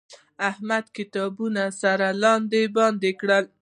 احمد کتابونه سره لاندې باندې کړل.